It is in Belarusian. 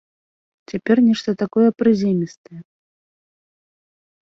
Цяпер нешта такое прыземістае.